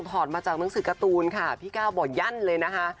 ถอดมาจากหนังสือการ์ตูนค่ะพี่ก้าวบอกยั่นเลยนะคะ